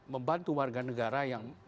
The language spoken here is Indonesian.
membantu warga negara yang